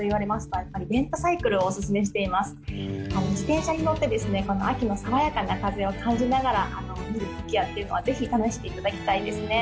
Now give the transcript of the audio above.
自転車に乗って秋の爽やかな風を感じながら見るコキアというのをぜひ試していただきたいですね。